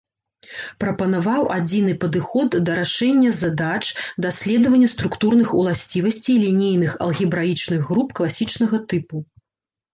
Прапанаваў адзіны падыход да рашэння задач даследавання структурных уласцівасцей лінейных алгебраічных груп класічнага тыпу.